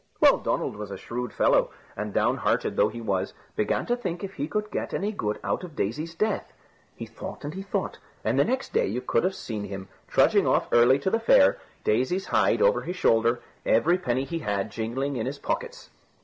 Well, Donald was a shrewd fellow, and downhearted though he was, began to think if he could get any good out of Daisy's death. He thought and he thought, and the next day you could have seen him trudging off early to the fair, Daisy's hide over his shoulder, every penny he had jingling in his pockets.